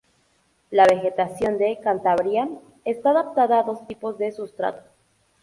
La vegetación de Cantabria está adaptada a dos tipos de sustrato.